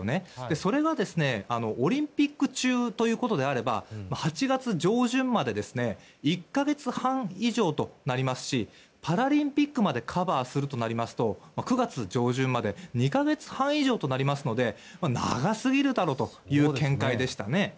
それがオリンピック中ということであれば８月上旬まで１か月半以上となりますしパラリンピックまでカバーするとなりますと９月上旬まで２か月半以上となりますので長すぎるだろという見解でしたね。